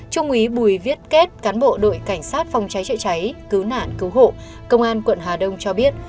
trung úy bùi viết kết cán bộ đội cảnh sát phòng cháy chữa cháy cứu nạn cứu hộ công an quận hà đông cho biết